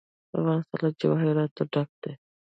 افغانستان له جواهرات ډک دی.